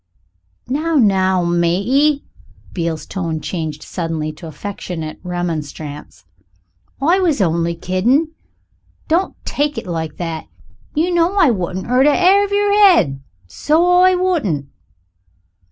"Now, now, matey" Beale's tone changed suddenly to affectionate remonstrance "I was only kiddin'. Don't take it like that. You know I wouldn't 'urt a 'air of yer 'ed, so I wouldn't."